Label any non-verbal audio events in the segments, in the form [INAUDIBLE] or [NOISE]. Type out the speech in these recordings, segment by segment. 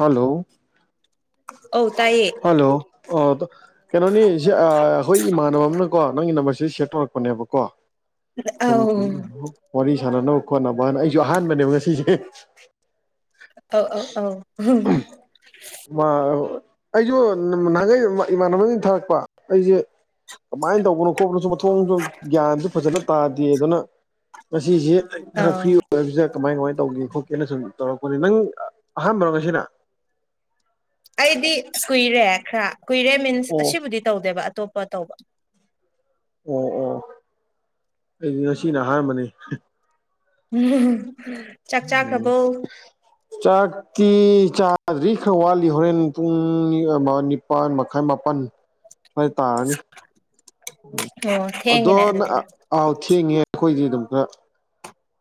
hello ꯑꯧ ꯇꯥꯏꯌꯦ hello ꯑꯥ [UNINTELLIGIBLE] ꯀꯩꯅꯣꯅꯤ ꯁꯤ ꯑꯥ ꯑꯩꯈꯣꯏ ꯏꯃꯥꯟꯅꯕ ꯑꯃꯅꯀꯣ ꯅꯪꯒꯤ ꯅꯝꯕꯔꯁꯤ ꯁꯦꯌꯔ ꯇꯧꯔꯛꯄꯅꯦꯕꯀꯣ ꯁꯨꯝ ꯑꯧ ꯋꯥꯔꯤ ꯁꯥꯟꯅꯅꯕ ꯈꯣꯠꯅꯕ ꯍꯥꯏꯅ ꯑꯩꯁꯨ ꯑꯍꯥꯟꯕꯅꯦꯕ ꯉꯁꯤꯁꯦ ꯑꯧ ꯑꯧ ꯑꯧ [UNINTELLIGIBLE] ꯃꯥ [UNINTELLIGIBLE] ꯑꯩꯖꯨ ꯅꯍꯥꯟꯒꯩ [UNINTELLIGIBLE] ꯏꯃꯥꯟꯅꯕꯖꯤꯡ ꯊꯥꯔꯛꯄ ꯑꯩꯖꯤ ꯀꯃꯥꯏꯟ ꯇꯧꯕꯅꯣ ꯈꯣꯠꯄꯅꯣꯁꯨ ꯃꯊꯣꯡꯁꯨ ꯒ꯭ꯌꯥꯟꯁꯨ ꯐꯖꯅ ꯇꯥꯗꯦ ꯑꯗꯨꯅ ꯉꯁꯤꯁꯤ ꯑꯩ ꯈꯔ ꯐ꯭ꯔꯤ ꯑꯧ ꯑꯣꯏꯕꯁꯤꯗ ꯀꯃꯥꯏ ꯀꯃꯥꯏ ꯇꯧꯒꯦ ꯈꯣꯠꯀꯦꯅ ꯁꯨꯝ ꯇꯧꯔꯛꯄꯅꯦ ꯅꯪ ꯑꯍꯥꯟꯕꯔꯣ ꯉꯁꯤꯅ ꯑꯩꯗꯤ ꯀꯨꯏꯔꯦ ꯈꯔ ꯀꯨꯏꯔꯦ ꯃꯤꯟꯁ ꯑꯣ ꯑꯁꯤꯕꯨꯗꯤ ꯇꯧꯗꯦꯕ ꯑꯇꯣꯞꯄ ꯇꯧꯕ ꯑꯣ ꯑꯣ ꯑꯩꯗꯤ ꯉꯁꯤꯅ ꯑꯍꯥꯟꯕꯅꯤ ꯆꯥꯛ ꯆꯥꯈ꯭ꯔꯕꯣ ꯆꯥꯛ ꯇꯤ ꯆꯥꯗ꯭ꯔꯤ ꯈꯔ ꯋꯥꯠꯂꯤ ꯍꯣꯔꯦꯟ ꯄꯨꯡ ꯅꯤꯄꯥꯟ ꯃꯈꯥꯏ ꯃꯥꯄꯟ [UNINTELLIGIBLE] ꯇꯥꯔꯅꯤ [INAUDIBLE] ꯑꯣ ꯑꯗꯣ ꯊꯦꯡꯉꯤꯅꯦ [UNINTELLIGIBLE] ꯑꯗꯨꯗꯤ ꯑꯥꯎ ꯊꯦꯡꯉꯦ ꯑꯩꯈꯣꯏꯗꯤ ꯑꯗꯨꯝ ꯈꯔ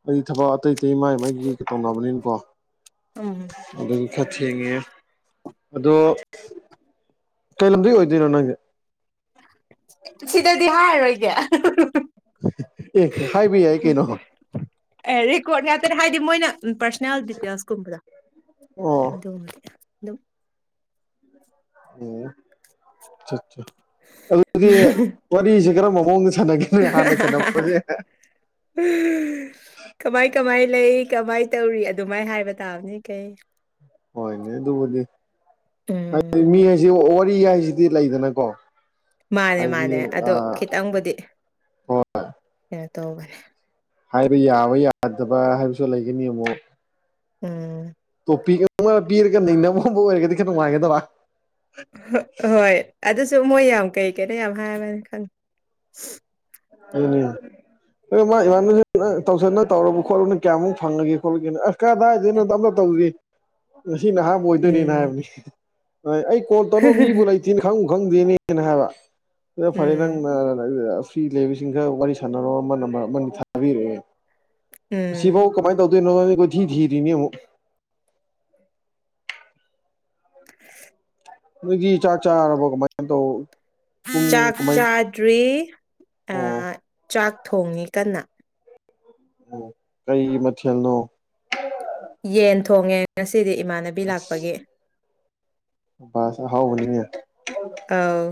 ꯍꯥꯏꯗꯤ ꯊꯕꯛ ꯑꯇꯩ ꯑꯇꯩ ꯃꯥꯏ ꯃꯥꯏꯒꯤ ꯇꯧꯅꯕꯅꯤꯅꯀꯣ ꯎꯝ ꯑꯗꯨꯒꯤ ꯈꯔ ꯊꯦꯡꯉꯦ ꯑꯗꯨ ꯀꯩ ꯂꯝꯗꯩꯩ ꯑꯣꯏꯗꯣꯏꯅꯣ ꯅꯣꯏꯗꯤ ꯁꯤꯗꯗꯤ ꯍꯥꯏꯔꯔꯣꯏꯒꯦ ꯑꯦ ꯍꯥꯏꯕ ꯌꯥꯏ ꯀꯩꯅꯣ ꯑꯦ ꯔꯦꯀꯣꯔꯠ ꯉꯥꯛꯇꯅꯦ ꯍꯥꯏꯗꯤ ꯃꯣꯏꯅ ꯄꯥꯔꯁꯅꯦꯜ ꯗꯤꯇꯦꯜꯁꯀꯨꯝꯕꯗꯣ ꯑꯣ ꯑꯗꯨ [UNINTELLIGIBLE] ꯑꯣ ꯆꯥ ꯆꯥ ꯑꯗꯨꯗꯤ ꯋꯥꯔꯤꯖꯦ ꯀꯔꯝꯕ ꯃꯑꯣꯡꯗ ꯁꯥꯟꯅꯒꯦ ꯅꯣꯏ ꯍꯥꯟꯅ [UNINTELLIGIBLE] ꯀꯃꯥꯏ ꯀꯃꯥꯏ ꯂꯩ ꯀꯃꯥꯏ ꯇꯧꯔꯤ ꯑꯗꯨꯃꯥꯏ ꯍꯥꯏꯕ ꯇꯥꯕꯅꯤ ꯀꯩ ꯍꯣꯏꯅꯦ ꯑꯗꯨꯕꯨꯗꯤ ꯎꯝ ꯍꯥꯏꯗꯤ ꯃꯤ ꯍꯥꯏꯁꯤ ꯋꯥꯔꯤ ꯍꯥꯏꯁꯤꯗꯤ ꯂꯩꯗꯅꯀꯣ ꯃꯥꯅꯦ ꯍꯥꯏꯗꯤ ꯃꯥꯅꯦ ꯑ ꯑꯗꯣ ꯈꯤꯇꯪꯕꯨꯗꯤ ꯍꯣꯏ ꯀꯩꯅꯣ ꯇꯧꯕꯅꯦ ꯍꯥꯏꯕ ꯌꯥꯕ ꯌꯥꯗꯕ ꯍꯥꯏꯕꯁꯨ ꯂꯩꯒꯅꯤ ꯑꯃꯨꯛ ꯎꯝ [UNINTELLIGIBLE] ꯄꯤꯔꯒ ꯅꯩꯅꯕꯒꯨꯝꯕ ꯑꯣꯏꯔꯒꯗꯤ ꯈꯔ ꯅꯨꯡꯉꯥꯏꯒꯗꯕ ꯍ ꯍꯣꯏ ꯑꯗꯨꯁꯨ ꯃꯣꯏ ꯌꯥꯝ ꯀꯩ ꯀꯩꯅꯣ ꯌꯥꯝ ꯍꯥꯏꯕꯅꯦ [UNINTELLIGIBLE] ꯑꯗꯨꯅꯤ ꯑꯗꯨ ꯃꯥ ꯏꯃꯥꯟꯅ [UNINTELLIGIBLE] ꯇꯧꯁꯟꯅ ꯇꯧꯔꯕ ꯈꯣꯠꯂꯕ [UNINTELLIGIBLE] ꯀꯌꯥꯃꯨꯛ ꯐꯪꯉꯒꯦ ꯈꯣꯠꯂꯒꯦꯅ [UNINTELLIGIBLE] ꯀꯗꯥꯏꯗꯩꯅꯣꯗ ꯑꯝꯇꯥ ꯇꯧꯗ꯭ꯔꯤ ꯉꯁꯤꯅ ꯑꯍꯥꯟꯕ ꯑꯣꯏꯗꯣꯏꯅꯤꯅ ꯎꯝ ꯍꯥꯏꯕꯅꯤ [UNINTELLIGIBLE] ꯑꯩ ꯀꯣꯜ ꯇꯧꯅꯕ ꯃꯤꯕꯨ ꯂꯩ [UNINTELLIGIBLE] ꯈꯪꯕꯨ ꯈꯪꯉꯨꯗꯦꯅꯦꯅ ꯍꯥꯏꯕ ꯑꯗꯨꯗ ꯐꯔꯦ ꯎꯝ ꯅꯪꯅ [UNINTELLIGIBLE] [UNINTELLIGIBLE] ꯂꯩꯕꯁꯤꯡꯒ ꯋꯥꯔꯤ ꯁꯥꯟꯅꯔꯣ ꯑꯃ ꯅꯝꯕꯔ ꯑꯃ [UNINTELLIGIBLE] ꯊꯥꯕꯤꯔꯛꯑꯦ ꯎꯝ ꯑꯁꯤꯕꯧ ꯀꯃꯥꯏ ꯇꯧꯗꯣꯏꯅꯣ ꯀꯣꯏꯊꯤ ꯊꯤꯔꯤꯅꯤ ꯑꯃꯨꯛ [INAUDIBLE] ꯅꯣꯏꯗꯤ ꯆꯥꯛ ꯆꯥꯔꯕꯣ ꯀꯃꯥꯏ [UNINTELLIGIBLE] ꯄꯨꯡ ꯆꯥꯛ ꯆꯥꯗ꯭ꯔꯤ ꯑꯣ ꯑꯥ ꯆꯥꯛ ꯊꯣꯡꯉꯤ ꯀꯟꯅ ꯑꯣ ꯀꯩ ꯃꯊꯦꯜꯅꯣ ꯌꯦꯟ ꯊꯣꯡꯉꯦ ꯉꯁꯤꯗꯤ ꯏꯃꯥꯟꯅꯕꯤ ꯂꯥꯛꯄꯒꯤ ꯄꯥꯁꯨ ꯍꯥꯎꯕꯅꯤꯍꯦ ꯑꯥꯎ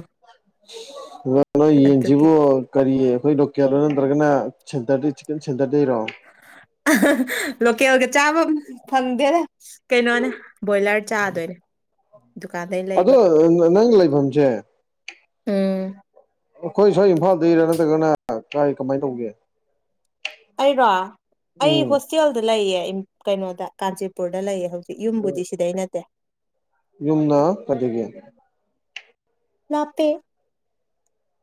ꯅꯥ ꯅꯣꯏ ꯌꯦꯟꯖꯤꯕꯣ ꯀꯔꯤ ꯑꯈꯣꯏ ꯂꯣꯀꯦꯜꯔꯣ ꯅꯠꯇ꯭ꯔꯒꯅ ꯁꯦꯟꯇꯔꯗꯩ ꯆꯤꯛꯀꯟ ꯁꯦꯟꯇꯔꯗꯩꯔꯣ [UNINTELLIGIBLE] ꯂꯣꯀꯦꯜꯒ ꯆꯥꯕꯝ ꯐꯪꯗꯦꯍꯦ ꯀꯩꯅꯣꯅꯦ ꯕꯣꯏꯂꯔ ꯆꯥꯗꯣꯏꯅꯦ ꯗꯨꯀꯥꯟꯗꯩ ꯂꯩꯕ ꯑꯥ ꯅꯥ ꯅꯪ ꯂꯩꯕꯝꯆꯦ ꯎꯝ ꯑꯈꯣꯏ ꯁ꯭ꯋꯥꯏ ꯏꯝꯐꯥꯜꯗꯩꯔ ꯅꯠꯇ꯭ꯔꯒꯅ ꯀꯥꯏ ꯀꯃꯥꯏ ꯇꯧꯒꯦ ꯑꯩꯔꯣ ꯑꯩ ꯎꯝ ꯍꯣꯁꯇꯦꯜꯗ ꯂꯩꯌꯦ ꯀꯩꯅꯣꯗ ꯀꯥꯟꯆꯤꯄꯨꯔꯗ ꯂꯩꯌꯦ ꯍꯧꯖꯤꯛ ꯌꯨꯝꯕꯨꯗꯤ ꯁꯤꯗꯩ ꯅꯠꯇꯦ ꯌꯨꯝꯅ ꯀꯥꯏꯗꯒꯤ ꯂꯥꯞꯄꯦ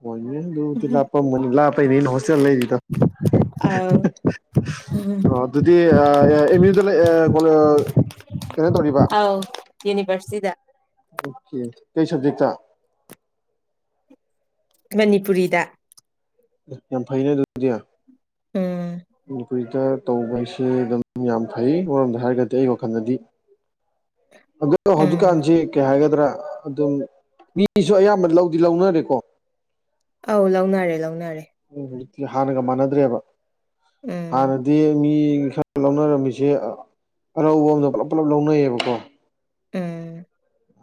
ꯍꯣꯏꯅꯦ ꯑꯗꯨꯗꯤ ꯂꯥꯞꯄꯝꯃꯅꯤ ꯂꯥꯞꯄꯩꯅꯦ ꯑꯩꯅ ꯍꯣꯁꯇꯦꯜ ꯂꯩꯔꯤꯗꯣ ꯑꯧ ꯎꯝ ꯑꯣ ꯑꯗꯨꯗꯤ ꯑꯥ ꯌꯥ ꯑꯦꯝ ꯌꯨꯗ ꯂꯩ ꯑꯥ ꯄꯣꯅꯣ ꯀꯩꯅꯣ ꯇꯧꯔꯤꯕ ꯌꯨꯅꯤꯕ꯭ꯔꯁꯤꯇꯤꯗ ꯑꯣꯀꯦ ꯀꯩ ꯁꯕꯖꯦꯛꯇ ꯃꯅꯤꯄꯨꯔꯤꯗ ꯌꯥꯝ ꯐꯩꯅ ꯑꯗꯨꯗꯤ ꯎꯝ ꯎꯝ ꯋꯤꯇ꯭ꯔ ꯇꯧꯕ ꯍꯥꯏꯁꯦ ꯑꯗꯨꯝ ꯌꯥꯝ ꯐꯩ ꯑꯃꯔꯣꯝꯗ ꯍꯥꯏꯔꯒꯗꯤ ꯑꯩ ꯋꯥꯈꯟꯗꯗꯤ ꯑꯗꯣ ꯎꯝ ꯍꯧꯖꯤꯛꯀꯥꯟꯖꯤ ꯀꯩ ꯍꯥꯏꯒꯗ꯭ꯔꯥ ꯑꯗꯨꯝ ꯃꯤꯁꯨ ꯑꯌꯥꯝꯕ ꯂꯧꯗꯤ ꯂꯧꯅꯔꯦꯀꯣ ꯑꯧ ꯂꯧꯅꯔꯦ ꯂꯧꯅꯔꯦ ꯍꯧꯖꯤꯛꯇꯤ ꯍꯥꯟꯅꯒ ꯃꯥꯟꯅꯗ꯭ꯔꯦꯕ ꯎꯝ ꯍꯥꯟꯅꯗꯤ ꯃꯤ ꯂꯧꯅꯔꯝꯃꯤꯁꯦ ꯑꯥ ꯑꯔꯧꯕ ꯑꯝꯗ ꯄꯨꯂꯞ ꯄꯨꯂꯞ ꯂꯧꯅꯩꯌꯦꯕꯀꯣ ꯎꯝ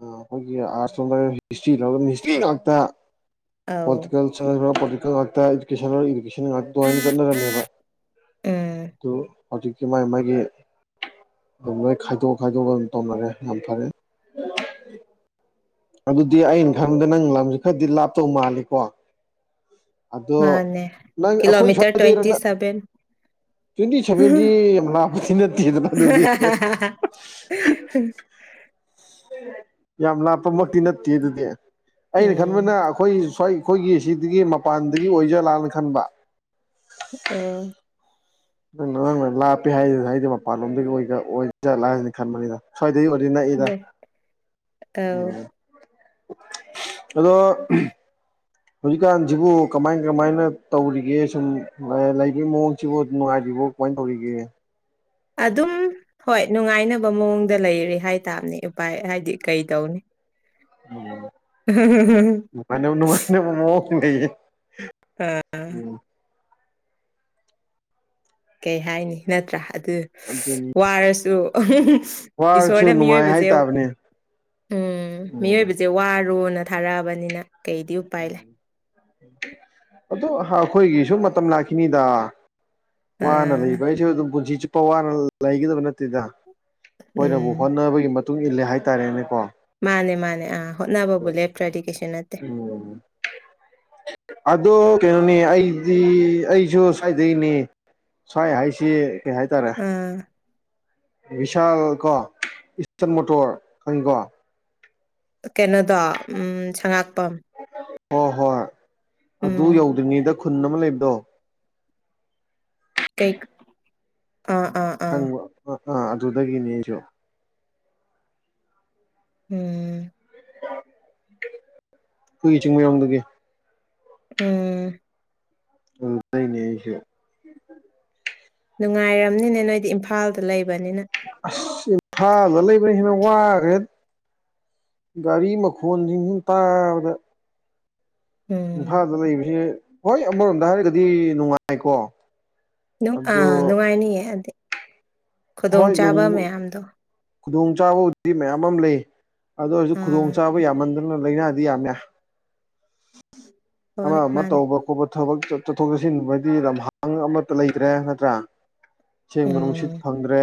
ꯑꯥ ꯑꯩꯈꯣꯏꯒꯤ ꯑꯥꯔꯠꯁ ꯂꯣꯝꯗꯅ ꯍꯤꯁꯇ꯭ꯔꯤ ꯂꯧꯔꯝꯃꯤ ꯍꯤꯁꯇ꯭ꯔꯤ ꯉꯥꯛꯇ ꯑꯧ ꯍꯣꯇꯤꯀꯜꯆ꯭ꯔꯔꯣ [UNINTELLIGIBLE] [UNINTELLIGIBLE] ꯆꯠꯅꯔꯝꯃꯦꯕ ꯎꯝ ꯑꯗꯨ ꯍꯧꯖꯤꯛꯇꯤ ꯃꯥꯥꯏ ꯃꯥꯏꯒꯤ ꯗꯨꯝ ꯂꯣꯏ ꯈꯥꯏꯗꯣꯛ ꯈꯥꯏꯗꯣꯛꯑ ꯗꯨꯝ ꯇꯧꯅꯔꯦ ꯌꯥꯝ ꯐꯔꯦ ꯑꯗꯨꯗꯤ ꯑꯩꯟ ꯈꯟꯕꯗ ꯅꯪ ꯂꯝꯁꯦ ꯈꯔꯗꯤ ꯂꯥꯞꯇꯧ ꯃꯥꯜꯂꯤꯀꯣ ꯑꯗꯣ ꯃꯥꯅꯦ ꯅꯪ ꯑꯩꯈꯣꯏ ꯀꯤꯂꯣꯃꯤꯇꯔ ꯁ꯭ꯋꯥꯏꯗꯩꯔ ꯇ꯭ꯋꯦꯟꯇꯤ ꯅꯥ ꯁꯚꯦꯟ ꯇ꯭ꯋꯦꯟꯇꯤ ꯁꯚꯦꯟꯗꯤ ꯌꯥꯝ ꯂꯥꯞꯄꯗꯤ ꯅꯠꯇꯦꯗꯅ ꯑꯗꯨꯗꯤ [UNINTELLIGIBLE] ꯌꯥꯝ ꯂꯥꯞꯄꯃꯛꯇꯤ ꯅꯠꯇꯦ ꯑꯗꯨꯗꯤ ꯑꯩꯅ ꯈꯟꯕꯅ ꯎꯝ ꯈꯣꯏ ꯁ꯭ꯋꯥꯏ ꯑꯈꯣꯏꯒꯤ ꯁꯤꯗꯒꯤ ꯃꯄꯥꯟꯗꯒꯤ ꯑꯣꯏꯖꯥꯠꯂꯅ ꯈꯟꯕ ꯎꯝ ꯅꯪ ꯅꯪꯅ ꯂꯥꯞꯄꯦ ꯍꯥꯏꯁꯤ ꯍꯥꯏꯗꯤ ꯃꯄꯥꯟ ꯂꯣꯝꯗꯒꯤ ꯑꯣꯏꯖ ꯑꯣꯏꯖꯥꯠꯂ ꯍꯥꯏꯅ ꯈꯟꯕꯅꯤꯗ ꯁ꯭ꯋꯥꯏꯗꯩ ꯑꯣꯏꯗꯤ ꯅꯛꯏꯗ ꯑꯧ ꯎꯝ ꯑꯗꯣ ꯍꯧꯖꯤꯛꯀꯥꯟꯁꯤꯕꯨ ꯀꯃꯥꯏ ꯀꯃꯥꯏꯅ ꯇꯧꯔꯤꯒꯦ ꯁꯨꯝ ꯑꯥ ꯂꯩꯕꯩ ꯃꯑꯣꯡꯁꯤꯕꯨ ꯅꯨꯡꯉꯥꯏꯔꯤꯕꯣ ꯀ꯭ꯋꯥꯏ ꯇꯧꯔꯤꯒꯦ ꯑꯗꯨꯝ ꯍꯣꯏ ꯅꯨꯡꯉꯥꯏꯅꯕ ꯃꯑꯣꯡꯗ ꯂꯩꯔꯦ ꯍꯥꯏꯇꯥꯥꯝꯅꯦ ꯎꯄꯥꯏ ꯍꯥꯏꯗꯤ ꯀꯩ ꯇꯧꯅꯤ [UNINTELLIGIBLE] [UNINTELLIGIBLE] ꯑ ꯎꯝ ꯀꯩ ꯍꯥꯏꯅꯤ ꯅꯠꯇ꯭ꯔꯥ ꯑꯗꯨ ꯑꯗꯨꯅꯤ ꯋꯥꯔꯁꯨ ꯋꯥꯔꯁꯨ ꯏꯁꯣꯔꯗ ꯅꯨꯡꯉꯥꯏ ꯃꯤꯑꯣꯏꯕꯖꯦ ꯍꯥꯏꯇꯥꯕꯅꯦ ꯎꯝ ꯎꯝ ꯃꯤꯑꯣꯏꯕꯖꯦ ꯋꯥꯔꯣꯅ ꯊꯥꯔꯛꯑꯕꯅꯤꯅ ꯀꯩꯗꯤ ꯎꯄꯥꯏ ꯂꯩ ꯑꯗꯨ ꯍꯥꯈꯣꯏꯒꯤꯁꯨ ꯃꯇꯝ ꯂꯥꯛꯈꯤꯅꯤꯗ ꯋꯥꯅ ꯑꯥ ꯂꯩꯕ ꯑꯩꯁꯨ ꯑꯗꯨꯝ ꯄꯨꯟꯁꯤ ꯆꯨꯞꯄ ꯋꯥꯅ ꯂꯩꯒꯗꯕ ꯅꯠꯇꯦꯗ ꯍꯣꯏꯅꯕꯨ ꯎꯝ ꯍꯣꯠꯅꯕꯒꯤ ꯃꯇꯨꯡ ꯏꯜꯂꯦ ꯍꯥꯏꯇꯥꯔꯦꯅꯦꯀꯣ ꯃꯥꯅꯦ ꯃꯥꯅꯦ ꯑꯥ ꯍꯣꯠꯅꯕꯕꯨ ꯂꯦꯞꯇ꯭ꯔꯦꯗꯤ ꯀꯩꯁꯨ ꯅꯠꯇꯦ ꯎꯝ ꯑꯗꯣ ꯀꯩꯅꯣꯅꯤ ꯑꯩꯗꯤ ꯑꯩꯁꯨ ꯁꯋꯥꯏꯗꯩꯅꯦ ꯁ꯭ꯋꯥꯏ ꯍꯥꯏꯁꯦ ꯀꯩ ꯍꯥꯏꯇꯥꯔꯦ ꯎꯝ ꯕꯤꯚꯤꯁꯥꯜ ꯀꯣ ꯏꯁꯇꯟ ꯃꯣꯇꯣꯔ ꯈꯪꯉꯤꯀꯣ ꯀꯩꯅꯣꯗꯣ ꯎꯝ ꯁꯝꯉꯥꯛꯄꯝ ꯍꯣꯏ ꯍꯣꯏ ꯑꯗꯨ ꯎꯝ ꯌꯧꯗ꯭ꯔꯤꯉꯩꯗ ꯈꯨꯟ ꯑꯃ ꯂꯩꯕꯗꯣ ꯀꯩ ꯑꯥ ꯑꯥ ꯑꯥ ꯈꯪꯕꯔꯣ ꯑ ꯑꯥ ꯑꯗꯨꯗꯒꯤꯅꯦ ꯑꯩꯖꯨ ꯎꯝ ꯍꯨꯏ ꯆꯤꯡꯃꯩꯔꯣꯡꯗꯒꯤ ꯎꯝ ꯎ ꯂꯩꯅꯦ ꯑꯩꯁꯨ ꯅꯨꯡꯉꯥꯏꯔꯝꯅꯤꯅꯦ ꯅꯣꯏꯗꯤ ꯏꯝꯐꯥꯜꯗ ꯂꯩꯕꯅꯤꯅ ꯑꯁ ꯏꯐꯥꯜꯗ ꯂꯩꯕ꯭ꯔꯥ ꯍꯦꯟꯅ ꯋꯥꯒ꯭ꯔꯦ ꯒꯥꯔꯤ ꯃꯈꯣꯟꯖꯤꯡꯖꯤ ꯇꯥꯕꯗ ꯎꯝ ꯏꯝꯐꯥꯜꯗ ꯂꯩꯕꯕꯁꯤ ꯍꯣꯏ ꯑꯃꯔꯣꯝꯗ ꯍꯥꯏꯔꯒꯗꯤ ꯅꯨꯡꯉꯥꯏꯀꯣ ꯅꯨꯡ ꯑ ꯑꯗꯣ ꯅꯨꯡꯉꯥꯏꯅꯤꯌꯦ ꯑꯗꯤ ꯍꯣꯏ ꯈꯨꯗꯣꯡꯆꯥꯥꯕ ꯅꯨꯡꯕꯨ ꯃꯌꯥꯝꯗꯣ ꯈꯨꯗꯣꯡ ꯆꯥꯕꯕꯨ ꯃꯌꯥꯝ ꯑꯃ ꯂꯩ ꯑꯗꯨ ꯑꯣꯏꯔꯁꯨ ꯈꯨꯗꯣꯡ ꯑꯥ ꯆꯥꯕ ꯌꯥꯝꯃꯟꯗꯅ ꯂꯥꯏꯅꯥꯗꯤ ꯌꯥꯝꯃꯦ ꯑꯃ ꯍꯣꯏ ꯑꯃ ꯃꯥꯅꯦ ꯇꯧꯕ ꯈꯣꯠꯄ ꯊꯕꯛ ꯆꯠꯊꯣꯛ ꯆꯠꯁꯤꯟꯕꯗꯤ ꯂꯝꯍꯥꯡ ꯑꯃꯠꯇ ꯂꯩꯇ꯭ꯔꯦ ꯅꯠꯇ꯭ꯔꯥ ꯑꯁꯦꯡꯕ ꯅꯨꯡꯁꯤꯠ ꯎꯝ ꯐꯪꯗ꯭ꯔꯦ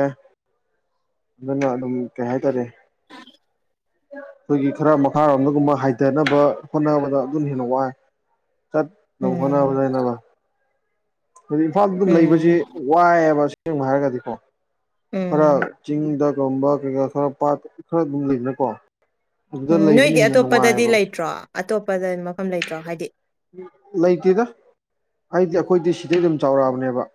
ꯑꯗꯨꯅ ꯑꯗꯨꯝ ꯀꯩ ꯍꯥꯏꯇꯥꯔꯦ ꯑ ꯈꯣꯏꯒꯤ ꯈꯔ ꯃꯈꯥꯔꯣꯝꯗꯒꯨꯝꯕ ꯍꯥꯏꯊꯅꯕ ꯍꯣꯠꯅꯕꯗ ꯑꯗꯨꯅ ꯍꯦꯟꯅ ꯋꯥꯏ ꯆꯠ ꯅꯕ ꯎꯝ ꯍꯣꯠꯅꯕꯅꯤꯅꯀꯣ ꯍꯨꯖꯤꯛ ꯏꯝꯐꯥꯜꯗ ꯑꯗꯨꯝ ꯎꯝ ꯂꯩꯕꯖꯤ ꯋꯥꯏꯑꯦꯕ ꯑꯁꯦꯡꯕ ꯍꯥꯏꯔꯒꯗꯤꯀꯣ ꯈꯔ ꯎꯝ ꯆꯤꯡꯗ ꯂꯣꯝꯕ ꯀꯩꯀꯥ ꯈꯔ ꯄꯥꯠ ꯈꯔ ꯑꯗꯨꯝ ꯂꯩꯗꯅꯀꯣ ꯑꯗꯨꯗ ꯎꯝ ꯂꯩꯕꯅ ꯅꯣꯏꯗꯤ ꯍꯦꯟꯅ ꯑꯇꯣꯞꯄꯗꯗꯤ ꯅꯨꯡꯉꯥꯏꯌꯦꯕ ꯂꯩꯇ꯭ꯔꯣ ꯑꯇꯣꯞꯄꯗ ꯃꯐꯝ ꯂꯩꯇ꯭ꯔꯣ ꯍꯥꯏꯗꯤ ꯂꯩꯇꯦꯗ ꯍꯥꯏꯗꯤ ꯑꯩꯈꯣꯏꯗꯤ ꯁꯤꯗꯩ ꯑꯗꯨꯝ ꯆꯥꯎꯔꯛꯑꯕꯅꯦꯕ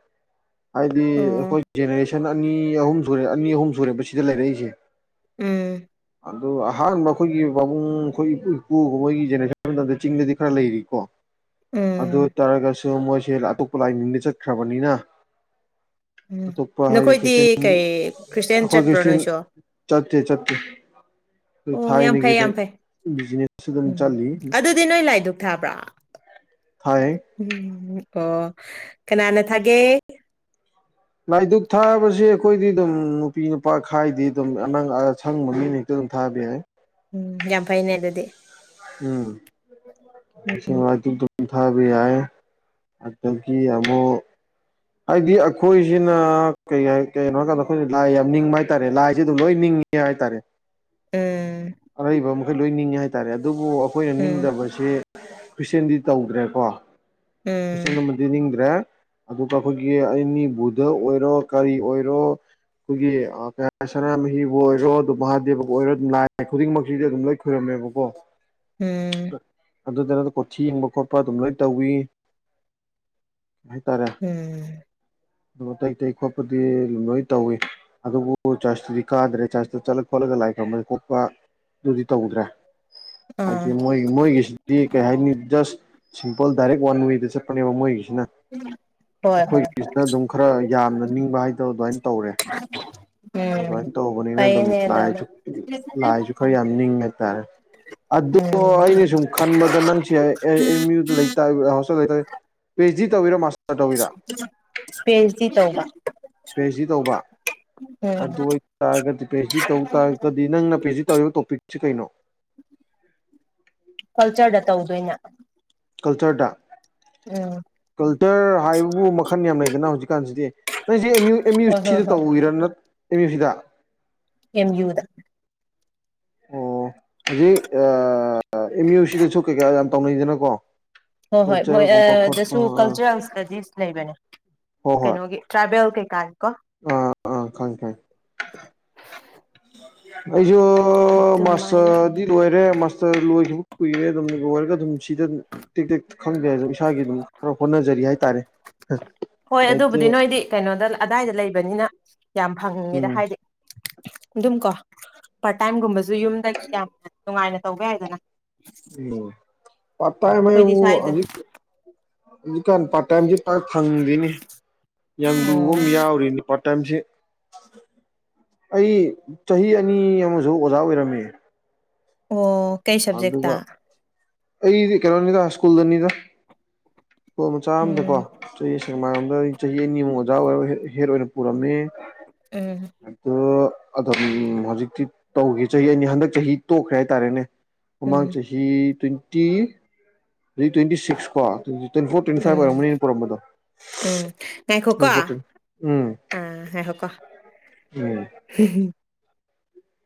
ꯍꯥꯏꯗꯤ ꯑꯣ ꯑꯈꯣꯏ ꯖꯦꯅꯦꯔꯦꯁꯟ ꯑꯅꯤ ꯑꯍꯨꯝ ꯁꯨꯔꯦ ꯑꯅꯤ ꯑꯍꯨꯝ ꯁꯨꯔꯦ ꯁꯤꯗ ꯂꯩꯔꯛꯏꯁꯦ ꯎꯝ ꯑꯗꯨ ꯑꯍꯥꯟꯕ ꯑꯩꯈꯣꯏꯒꯤ ꯕꯕꯨꯡ ꯈꯣꯏ ꯏꯄꯨ ꯏꯄꯨꯍꯣꯏꯒꯤ ꯖꯦꯅꯦꯔꯦꯁꯟ ꯃꯇꯝꯗ ꯆꯤꯡꯗꯗꯤ ꯈꯔ ꯂꯩꯔꯤꯀꯣ ꯑꯗꯨ ꯎꯝ ꯑꯣꯏ ꯇꯥꯔꯒꯁꯨ ꯃꯣꯏꯁꯦ ꯑꯇꯣꯞꯄ ꯂꯥꯏꯅꯤꯡꯗ ꯆꯠꯈ꯭ꯔꯕꯅꯤꯅ ꯎꯝ ꯑꯇꯣꯞꯄ ꯍꯥꯏꯗꯤ ꯅꯈꯣꯏꯗꯤ ꯈ꯭ꯔꯤꯁꯇꯦꯟ ꯀꯩ ꯈ꯭ꯔꯤꯁꯇꯦꯟ ꯑꯈꯣꯏ ꯆꯠꯄ꯭ꯔꯣ ꯈ꯭ꯔꯤꯁꯇꯦꯟ ꯅꯣꯏꯁꯨ ꯆꯠꯇꯦ ꯆꯠꯇꯦ ꯗꯨ ꯑꯣ ꯌꯥꯝ ꯐꯩ ꯊꯥꯏꯅꯒꯤꯗ ꯌꯥꯝ ꯐꯩ ꯕꯤꯖꯤꯅꯦꯁꯁꯨ ꯑꯗꯨꯝ ꯎꯝ ꯆꯠꯂꯤ ꯑꯗꯨꯗꯤ ꯅꯣꯏ ꯂꯥꯏꯗꯨꯛ ꯊꯥꯕ꯭ꯔꯣ ꯊꯥꯏ ꯎꯝ ꯑꯣ ꯀꯅꯥꯅ ꯊꯥꯒꯦ ꯂꯥꯏꯗꯨꯛ ꯊꯥꯕꯁꯤ ꯑꯩꯈꯣꯏꯗꯤ ꯑꯗꯨꯝ ꯅꯨꯄꯤ ꯅꯨꯄꯥ ꯈꯥꯏꯗꯦ ꯑꯗꯨꯝ ꯑꯅꯪ ꯑꯁꯪꯕꯃꯤꯅ ꯗꯨꯝ ꯊꯥꯕꯥ ꯌꯥꯏ ꯎꯝ ꯌꯥꯝ ꯐꯩꯅꯦ ꯑꯗꯨꯗꯤ ꯎꯝ ꯑꯦꯁꯤꯡ ꯂꯥꯏꯗꯨꯛ ꯗꯨꯝ ꯊꯥꯕ ꯌꯥꯏ ꯑꯗꯒꯤ ꯑꯃꯨꯛ ꯍꯥꯏꯗꯤ ꯑꯩꯈꯣꯏꯁꯤꯅ ꯀꯩ ꯍꯥꯏ ꯀꯩꯅꯣ ꯍꯥꯏꯀꯥꯟꯗ ꯑꯩꯈꯣꯏꯁꯦ ꯂꯥꯏ ꯌꯥꯝ ꯅꯤꯡꯕ ꯍꯥꯏꯇꯥꯔꯦ ꯂꯥꯏꯁꯦ ꯑꯗꯨꯝ ꯂꯣꯏ ꯅꯤꯡꯉꯤ ꯅꯤꯡꯉꯤ ꯍꯥꯏꯇꯥꯔꯦ ꯎꯝ ꯑꯔꯩꯕ ꯃꯈꯩ ꯂꯣꯏ ꯅꯤꯡꯉꯦ ꯍꯥꯏꯇꯥꯔꯦ ꯑꯗꯨꯕꯨ ꯑꯩꯈꯣꯏꯅ ꯎꯝ ꯅꯤꯡꯗꯕ ꯁꯤ ꯈ꯭ꯔꯤꯁꯇꯦꯟꯗꯤ ꯇꯧꯗ꯭ꯔꯦꯀꯣ ꯎꯝ ꯈ꯭ꯔꯤꯁꯇꯦꯟ ꯗꯤ ꯅꯤꯡꯗ꯭ꯔꯦ ꯑꯗꯨꯒ ꯑꯩꯈꯣꯏꯒꯤ ꯑꯅꯤꯕꯨꯙ ꯑꯣꯏꯔꯣ ꯀꯔꯤ ꯑꯣꯏꯔꯣ ꯑꯩꯈꯣꯏꯒꯤ ꯑ ꯁꯅꯥꯃꯍꯤꯕꯨ ꯑꯣꯏꯔꯣ ꯑꯗꯨꯝ ꯃꯍꯥꯗꯦꯕꯕꯨ ꯑꯣꯏꯔꯣ ꯑꯗꯨꯝ ꯂꯥꯏ ꯈꯨꯗꯤꯡꯃꯛꯁꯤꯗꯤ ꯑꯗꯨꯝ ꯂꯣꯏ ꯈꯣꯏꯔꯝꯃꯦꯕꯀꯣ ꯎꯝ ꯑꯗꯨꯗ ꯀꯨꯊꯤ ꯌꯦꯕ ꯈꯣꯠꯄ ꯑꯗꯨꯝ ꯂꯣꯏ ꯇꯧꯋꯤ ꯀꯩ ꯍꯥꯏꯇꯥꯔꯦ ꯎꯝ ꯑꯗꯨ ꯑꯇꯩ ꯑꯇꯩ ꯈꯣꯠꯄꯗꯤ ꯂꯣꯏ ꯇꯧꯏ ꯑꯗꯨꯕꯨ ꯆꯥꯔꯁꯇꯨꯗꯤ ꯀꯥꯗ꯭ꯔꯦ ꯆꯥꯔꯁꯇ ꯆꯠꯂ ꯈꯣꯠꯂꯒ ꯂꯥꯏ ꯈꯣꯏꯔꯝꯕ ꯈꯣꯠꯄ ꯗꯨꯗꯤ ꯇꯧꯗ꯭ꯔꯦ ꯑꯥ ꯍꯥꯏꯗꯤ ꯃꯣꯏ ꯃꯣꯏꯒꯤꯁꯤꯗꯤ ꯀꯩ ꯍꯥꯏꯅꯤ ꯖꯁ ꯁꯤꯝꯄꯜ ꯗꯥꯏꯔꯦꯛ ꯋꯥꯟ ꯋꯦꯗ ꯆꯠꯄꯅꯦꯕ ꯃꯣꯏꯒꯤꯁꯤꯅ ꯍꯣꯏ ꯍꯣꯏ ꯍꯣꯏ ꯑꯩꯈꯣꯏꯒꯤꯁꯤꯅ ꯑꯗꯨꯝ ꯈꯔ ꯌꯥꯝꯅ ꯅꯤꯡꯕ ꯍꯥꯏꯗꯣ ꯑꯗꯨꯃꯥꯏꯅ ꯇꯧꯔꯦ ꯑ [UNINTELLIGIBLE] ꯑꯗꯨꯃꯥꯏꯟ ꯇꯧꯕꯅꯤꯅ ꯑꯗꯨꯝ ꯂꯥꯏꯁꯨ ꯂꯥꯏꯁꯨ ꯈꯔ ꯌꯥꯝ ꯅꯤꯡꯉꯦ ꯍꯥꯏꯇꯥꯔꯦ ꯑꯗꯣ ꯎꯝ ꯑꯩꯅ ꯁꯨꯝ ꯈꯟꯕꯗ ꯅꯪꯁꯦ ꯑꯦ ꯑꯦꯝ ꯌꯨ ꯂꯩ ꯇꯥꯏ ꯄꯤ ꯍꯩꯁꯗꯤ ꯇꯧꯔꯤꯔꯣ ꯃꯥꯁꯇꯔ ꯇꯧꯋꯤꯔꯥ ꯄꯤ ꯑꯩꯁ ꯗꯤ ꯇꯧꯕ ꯄꯤ ꯑꯩꯁ ꯗꯤ ꯇꯧꯕ ꯎꯝ ꯑꯗꯨ ꯑꯣꯏꯇꯥꯔꯒꯗꯤ ꯄꯤ ꯑꯩꯆ ꯗꯤ ꯇꯧ ꯇꯥꯔꯒꯗꯤ ꯅꯪꯅ ꯄꯤ ꯑꯩꯆ ꯗꯤ ꯇꯧꯔꯤꯕ ꯇꯣꯄꯤꯛꯁꯤ ꯀꯩꯅꯣ ꯀꯜꯆꯔꯗ ꯇꯧꯗꯣꯏꯅ ꯀꯜꯆꯔꯗ ꯎꯝ ꯀꯜꯆꯔ ꯍꯥꯏꯕꯕꯨ ꯃꯈꯟ ꯌꯥꯝ ꯂꯩꯗꯅ ꯍꯧꯖꯤꯛꯀꯥꯟꯁꯤꯗꯤ ꯅꯣꯏꯁꯦ ꯑꯦꯝ ꯌꯨ ꯑꯦꯝ ꯌꯨ ꯍꯣꯏ ꯍꯣꯏ ꯁꯤꯗ ꯍꯣꯏ ꯇꯧꯔꯤꯔꯥ ꯅꯠ ꯑꯦꯝ ꯌꯨ ꯁꯤꯗ ꯑꯦꯝ ꯌꯨꯗ ꯑꯣ ꯍꯧꯖꯤꯛ ꯑꯦꯝ ꯌꯨ ꯁꯤꯗꯁꯨ ꯀꯩꯀꯥ ꯌꯥꯝ ꯇꯧꯅꯩꯗꯅꯀꯣ ꯍꯣꯏ ꯍꯣꯏ ꯃꯣꯏ ꯀꯜꯆꯔꯒꯨꯝꯕ ꯈꯣꯠꯄ ꯗꯁꯨ ꯑ ꯀꯜꯆꯔꯦꯜ ꯏꯁꯇꯗꯤꯁ ꯂꯩꯕꯅꯦ ꯀꯩꯅꯣꯒꯤ ꯇ꯭ꯔꯥꯏꯕꯦꯜ ꯀꯩ ꯀꯥꯒꯤꯀꯣ ꯑ ꯑꯥ ꯈꯪꯉꯦ ꯈꯪꯉꯦ ꯑꯩꯖꯨ ꯑꯗꯨꯃꯥꯏꯅ ꯃꯥꯁꯇꯔꯗꯤ ꯂꯣꯏꯔꯦ ꯃꯥꯁ ꯇꯔ ꯂꯣꯏꯒꯤꯕ ꯀꯨꯏꯔꯦ ꯂꯣꯏꯔꯒ ꯑꯗꯨꯝ ꯁꯤꯗ ꯇꯤꯛ ꯇꯤꯛ ꯈꯪꯗꯦ ꯍꯥꯏ ꯏꯁꯥꯒꯤ ꯑꯗꯨꯝ ꯈꯔ ꯍꯣꯠꯅꯖꯔꯤ ꯍꯥꯏꯇꯥꯔꯦ ꯑ ꯍꯣꯏ ꯑꯗꯨꯕꯨꯗꯤ ꯅꯣꯏꯗꯤ ꯀꯩꯅꯣꯗ ꯑꯗꯥꯏꯗ ꯂꯩꯕꯅꯤꯅ ꯌꯥꯝ ꯐꯪꯉꯦꯗ ꯎꯝ ꯍꯥꯏꯗꯤ ꯑꯗꯨꯝ ꯀꯣ ꯄꯥꯔꯠ ꯇꯥꯏꯝꯒꯨꯝꯕꯁꯨ ꯌꯨꯝꯗꯒꯤ ꯌꯥꯝꯅ ꯅꯨꯡꯉꯥꯏꯅ ꯇꯧꯕꯥ ꯌꯥꯏꯗꯅ ꯎꯝ ꯄꯥꯔꯠ ꯇꯃꯥꯏ ꯑꯩꯈꯣꯏꯗꯤ ꯍꯥꯏꯕꯕꯨ ꯁ꯭ꯋꯥꯏꯗ ꯍꯧꯖꯤꯛ ꯍꯧꯖꯤꯛꯀꯥꯟ ꯄꯥꯔ ꯇꯥꯏꯝꯁ ꯄꯥꯛ ꯐꯪꯗꯦꯅ° ꯌꯥꯝ ꯑꯣ ꯂꯨꯕ ꯑꯃ ꯌꯥꯎꯔꯤꯅꯤ ꯄꯥꯔꯠ ꯇꯥꯏꯝꯁꯤ ꯑꯩ ꯆꯍꯤ ꯑꯅꯤ ꯑꯃꯁꯨ ꯑꯣꯖꯥ ꯑꯣꯏꯔꯝꯃꯤ ꯑꯣꯑꫭ ꯑꯗꯨꯒ ꯑꯩꯗꯤ ꯀꯩꯅꯣꯅꯤꯗ ꯁ꯭ꯀꯨꯜꯗꯅꯤꯗ ꯁ꯭ꯀꯨꯜ ꯃꯆꯥ ꯑꯃꯗꯀꯣ ꯎꯝ ꯑꯩ ꯁ°ꯛꯃꯥꯏꯔꫭꯝꯗ ꯆꯍꯤ ꯑꯅꯤꯃꯨꯛ ꯑꯣꯖꯥ ꯑꯣꯏꯔꯣ ꯍꯦꯠ ꯑꯣꯏꯅꯔꯝ ꯄꯨꯔꯃꯦ ꯑ° ꯑꯗꫭ ꯑꯗꯨꯝ ꯍꯧꯖꯤꯛꯇꯤ ꯇꯧꯈꯤ ꯆꯍꯤ ꯑꯅꯤ ꯍꯟꯗꯛ ꯆꯍꯤ ꯇꯣꯛꯈ꯭ꯔꯦ ꯍꯥꯏꯇꯥꯔꯦꯅꯦ ꯃꯃꯥꯡ ꯎꯝ ꯆꯍꯤ ꯇ꯭ꯋꯦꯟꯇꯤ ꯍꯧꯖꯤꯛ ꯇ꯭ꯋꯦꯟꯇꯤ ꯁꯤꯛꯁ ꯀꯣ ꯇ꯭ꯋ ꯇ꯭ꯋꯦꯟꯇꯤ ꯐꯣꯔ ꯇ꯭ꯋꯦꯟꯇꯤ ꯐꯥꯏꯚ ꯎꯝ ꯑꯣꯏꯔꯝꯝꯕꯅꯤꯅ ꯄꯨꯔꯝꯕꯗꯣ ꯎꯝ ꯉꯥꯏꯈꯣꯀꯣ [UNINTELLIGIBLE] ꯑꯥ ꯉꯥꯏꯈꫭ ꯀꫭ [INAUDIBLE] [INAUDIBLE]